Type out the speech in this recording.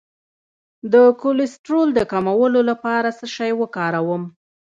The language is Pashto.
د کولیسټرول د کمولو لپاره څه شی وکاروم؟